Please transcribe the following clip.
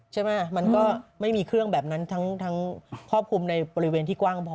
มันก็ไม่มีเครื่องแบบนั้นทั้งครอบคลุมในบริเวณที่กว้างพอ